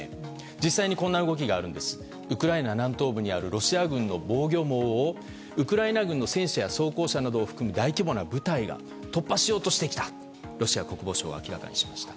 実際にこんな動きがありましてウクライナ南東部にあるロシア軍の防御網をウクライナ軍の戦士や装甲車などを含む大規模な部隊が突破しようとしてきたとロシア国防省が明らかにしました。